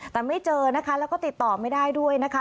แต่ไม่เจอนะคะแล้วก็ติดต่อไม่ได้ด้วยนะคะ